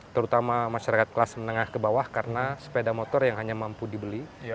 terutama masyarakat kelas menengah ke bawah karena sepeda motor yang hanya mampu dibeli